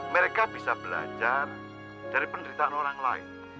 mereka bisa belajar dari penderitaan orang lain